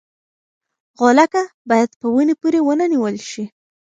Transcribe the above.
غولکه باید په ونې پورې ونه نیول شي.